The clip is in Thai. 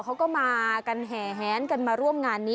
เขาก็มากันแหนกันมาร่วมงานนี้